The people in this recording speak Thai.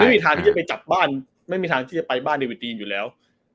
ไม่มีทางที่จะไปจับบ้านไม่มีทางที่จะไปบ้านเดวิตีนอยู่แล้ว